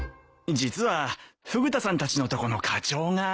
実はフグ田さんたちのとこの課長が。